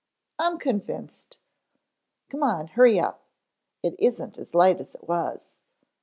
"I'm convinced. Come on, hurry up, it isn't as light as it was!"